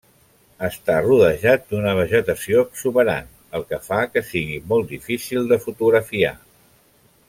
Està rodejat d'una vegetació exuberant, el que fa que sigui molt difícil de fotografiar.